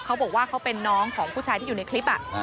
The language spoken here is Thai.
เขาบอกว่าเขาเป็นน้องของผู้ชายที่อยู่ในคลิป